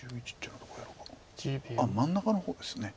あっ真ん中の方です。